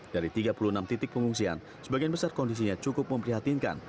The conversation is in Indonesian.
dari tiga puluh enam titik pengungsian sebagian besar kondisinya cukup memprihatinkan